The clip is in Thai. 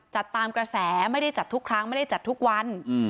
จัดตามกระแสไม่ได้จัดทุกครั้งไม่ได้จัดทุกวัน